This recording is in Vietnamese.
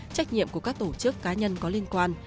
trách nhiệm của các tổ chức cá nhân có liên quan